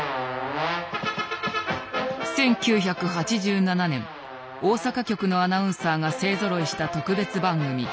１９８７年大阪局のアナウンサーが勢ぞろいした特別番組。